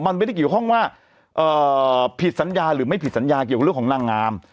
มันไม่ได้เกี่ยวข้องว่าผิดสัญญาหรือไม่ผิดสัญญาเกี่ยวกับเรื่องของนางงาม